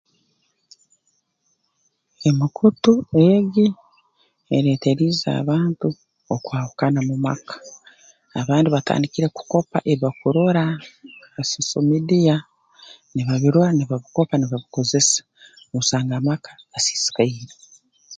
Emikutu egi ereeteriize abantu okwahukana mu maka abandi batandikire kukopa ebi bakurora ha soso midiya nibabirora nibabikopa nibabikozesa osanga amaka gasiisikaire